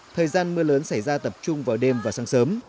thời gian mưa lớn xảy ra tập trung vào đêm và sáng sớm